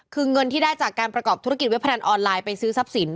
คือเงินที่ได้จากการประกอบธุรกิจเว็บพนันออนไลน์ไปซื้อทรัพย์สิน